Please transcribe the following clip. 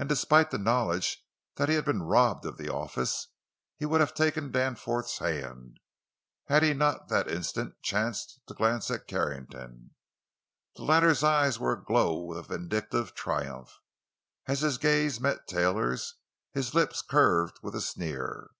And despite the knowledge that he had been robbed of the office, he would have taken Danforth's hand, had he not at that instant chanced to glance at Carrington. The latter's eyes were aglow with a vindictive triumph; as his gaze met Taylor's, his lips curved with a sneer.